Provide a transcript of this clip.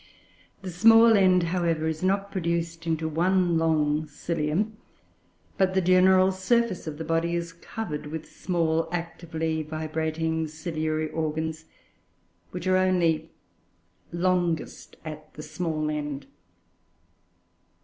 The small end, however, is not produced into one long cilium, but the general surface of the body is covered with small actively vibrating ciliary organs, which are only longest at the small end.